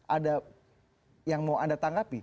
ada yang mau anda tanggapi